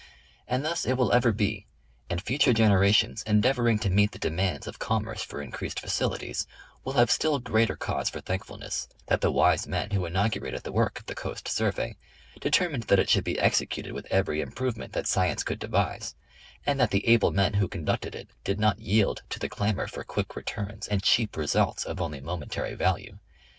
And thus it will ever be; and future generations endeavoring to meet the demands of com merce for increased facilities, will have still greater cause for thankfulness, that the wise men who inaugurated the work of the Coast Survey, determined that it should be executed with every improvement that science could devise; and that the able men who conducted it, did not yield to the clamor for quick returns and cheap i^esults, of only momentary value.